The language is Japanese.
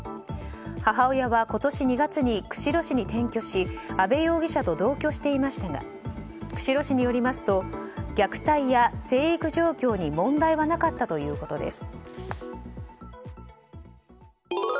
母親は今年２月に釧路市に転居し阿部容疑者と同居していましたが釧路市によりますと虐待や成育状況に問題はなかったということです。